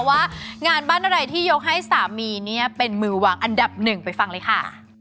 ว่างานบ้านอะไรที่ยกให้สามีเนี่ยเป็นมือวางอันดับหนึ่งไปฟังเลยค่ะ